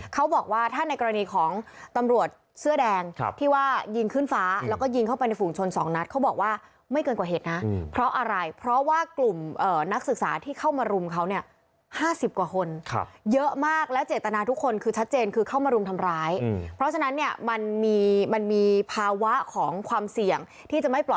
เขาบอกว่าถ้าในกรณีของตำรวจเสื้อแดงที่ว่ายิงขึ้นฟ้าแล้วก็ยิงเข้าไปในฝูงชนสองนัดเขาบอกว่าไม่เกินกว่าเหตุนะเพราะอะไรเพราะว่ากลุ่มนักศึกษาที่เข้ามารุมเขาเนี่ย๕๐กว่าคนเยอะมากและเจตนาทุกคนคือชัดเจนคือเข้ามารุมทำร้ายเพราะฉะนั้นเนี่ยมันมีมันมีภาวะของความเสี่ยงที่จะไม่ปล่อย